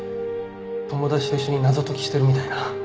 友達と一緒に謎解きしてるみたいな。